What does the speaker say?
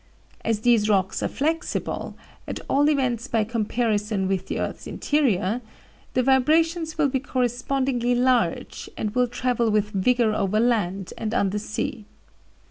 As these rocks are flexible, at all events by comparison with the earth's interior, the vibrations will be correspondingly large, and will travel with vigor over land and under sea.